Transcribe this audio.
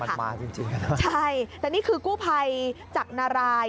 มันมาจริงใช่แต่นี่คือกู้ภัยจากนาราย